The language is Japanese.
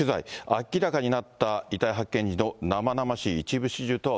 明らかになった遺体発見時の生々しい一部始終とは。